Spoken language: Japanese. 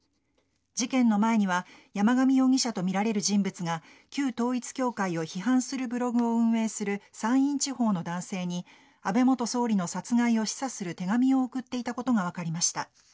事件の前には山上容疑者とみられる人物が旧統一教会を批判するブログを運営する山陰地方の男性に安倍元総理の殺害を示唆する手紙を送っていたことが分かりました。